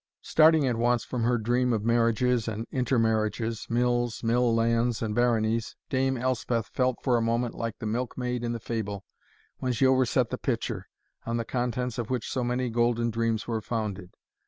Starting at once from her dream of marriages and intermarriages, mills, mill lands, and baronies, Dame Elspeth felt for a moment like the milk maid in the fable, when she overset the pitcher, on the contents of which so many golden dreams were founded.